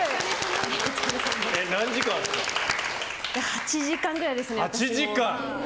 ８時間くらいですね。